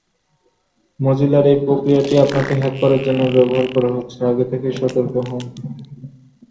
দূর্বল ও নিম্নমানের নির্মাণ উপকরণের কারণে উচ্চ ভবনগুলো ভেঙে পড়ার প্রবল সম্ভাবনা ছিল।